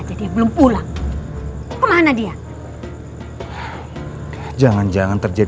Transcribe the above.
jangan bohong segera